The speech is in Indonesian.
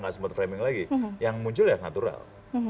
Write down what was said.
nggak sempat framing lagi yang muncul ya natural